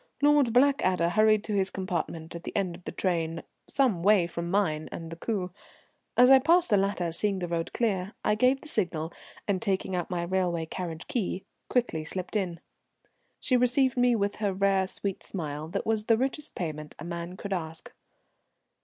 Lord Blackadder hurried to his compartment at the end of the train some way from mine and the coupé. As I passed the latter, seeing the road clear, I gave the signal, and, taking out my railway carriage key, quickly slipped in. She received me with her rare sweet smile, that was the richest payment a man could ask.